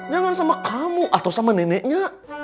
jangan sama kamu atau sama neneknya